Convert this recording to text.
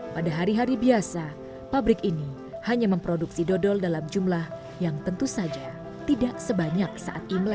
pada hari hari biasa pabrik ini hanya memproduksi dodol dalam jumlah yang tentu saja tidak sebanyak saat imlek